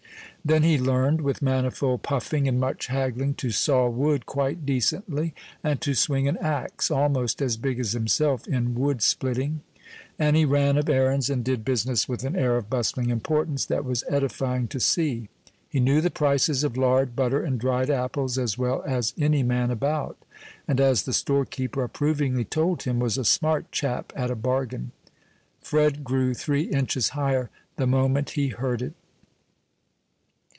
Then he learned, with manifold puffing and much haggling, to saw wood quite decently, and to swing an axe almost as big as himself in wood splitting; and he ran of errands, and did business with an air of bustling importance that was edifying to see; he knew the prices of lard, butter, and dried apples, as well as any man about, and, as the store keeper approvingly told him, was a smart chap at a bargain. Fred grew three inches higher the moment he heard it.